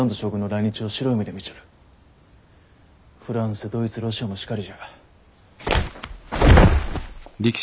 フランスドイツロシアもしかりじゃ。